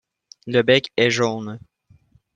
Le bec est jaune.